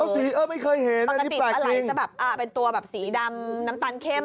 สีไม่เคยเห็นปกติเป็นตัวสีดำน้ำตาลเข้ม